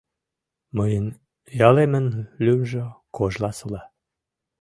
— Мыйын ялемын лӱмжӧ — Кожласола.